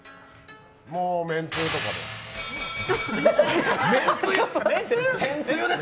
もう、めんつゆとかで。